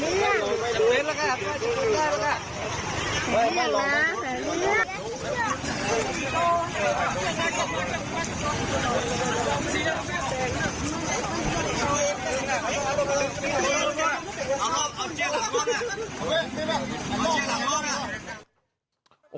ไม่เห็นนะไม่เห็น